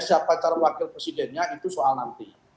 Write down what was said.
siapa calon wakil presidennya itu soal nanti